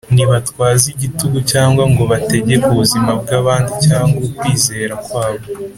ntibatwaza igitugu cyangwa ngo bategeke ubuzima bw abandi cyangwa ukwizera kwabo.